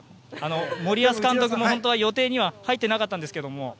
森保監督も、本当は予定には入ってなかったんですけど